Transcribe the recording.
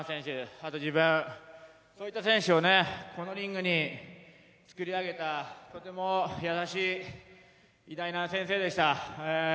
あと自分、そういった選手をこのリングに対して作り上げたとても優しい偉大な先生でした。